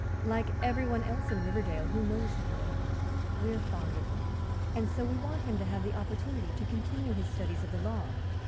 "Like everyone else in Riverdale who knows the boy, we are fond of him, and so we want him to have the opportunity to continue his studies of the law.